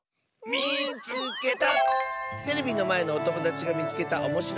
「みいつけた！」。